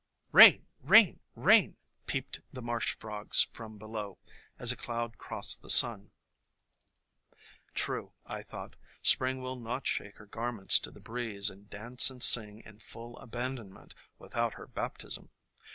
"Rain, rain, rain!" peeped the marsh frogs from below, as a cloud crossed the sun. THE COMING OF SPRING IQ True, I thought, Spring will not shake her garments to the breeze and dance and sing in full abandonment without her baptism.